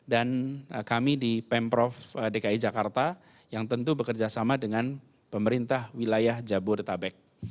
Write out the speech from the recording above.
dan kami di pemprov dki jakarta yang tentu bekerjasama dengan pemerintah wilayah jabodetabek